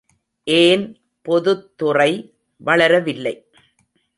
ஏன் பொதுத்துறை வளரவில்லை?